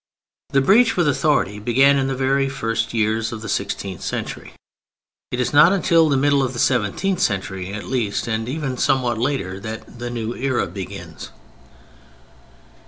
The breach with authority began in the very first years of the sixteenth century. It is not till the middle of the seventeenth century at least, and even somewhat later, that the new era begins.